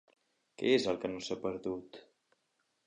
Què és el que no s'ha perdut?